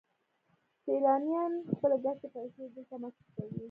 سیلانیان خپلې ګټلې پیسې دلته مصرفوي